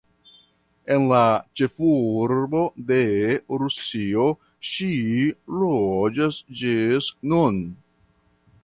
En la ĉefurbo de Rusio ŝi loĝas ĝis nun.